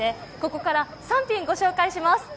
ここから３品、ご紹介します。